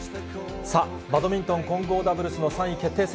さあ、バドミントン混合ダブルスの３位決定戦。